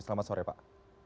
selamat sore pak